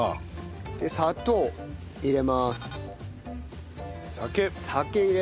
で砂糖入れます。